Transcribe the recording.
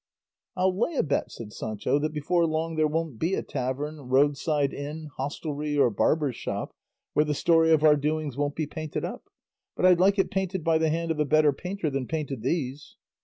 "I'll lay a bet," said Sancho, "that before long there won't be a tavern, roadside inn, hostelry, or barber's shop where the story of our doings won't be painted up; but I'd like it painted by the hand of a better painter than painted these."